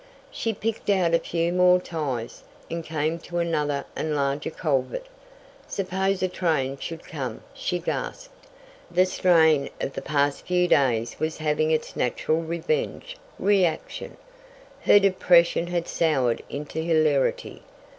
She picked out a few more ties, and came to another and larger culvert. "Suppose a train should come," she gasped. The strain of the past few days was having its natural revenge reaction. Her depression had soured into hilarity.